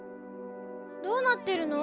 ・どうなってるの？